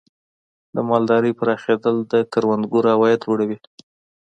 د مالدارۍ پراخېدل د کروندګر عواید لوړوي.